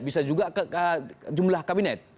bisa juga jumlah kabinet